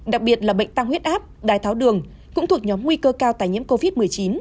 đặc biệt là bệnh tăng huyết áp đai tháo đường cũng thuộc nhóm nguy cơ cao tài nhiễm covid một mươi chín